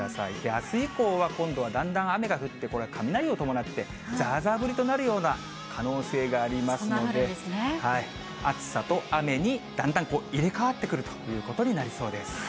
あす以降は今度はだんだん雨が降って、これ、雷を伴って、ざーざー降りとなるような可能性がありますので、暑さと雨にだんだん入れ代わってくるということになりそうです。